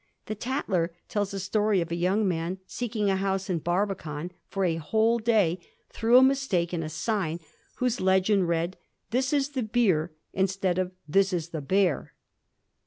The ' Tatler ' tells a story of a young man seeking a house in Barbican for a whole day through a mistake in a sign, whose legend read * This is the Beer,' instead of * This is the Bear.'